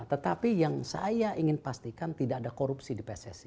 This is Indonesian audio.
tetapi yang saya ingin pastikan tidak ada korupsi di pssi